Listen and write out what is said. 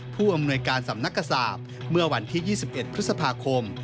ผู้อำนวยการสำนักกษาตร์เมื่อวันที่ยี่สิบเอ็ดพฤษภาคม